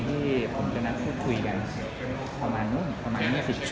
ที่ผมจะนัดพูดคุยกันประมาณนู้นประมาณ๒๐